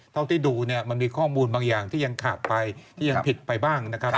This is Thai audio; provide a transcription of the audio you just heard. เท่าที่ดูเนี่ยมันมีข้อมูลบางอย่างที่ยังขาดไปที่ยังผิดไปบ้างนะครับ